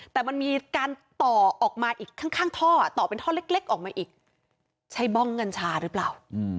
แต่มันมีการต่อออกมาอีกข้างท่อต่อเป็นท่อเล็กออกมาอีกใช้บ้องกัญชาหรือเปล่า